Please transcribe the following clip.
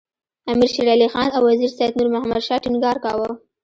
امیر شېر علي خان او وزیر سید نور محمد شاه ټینګار کاوه.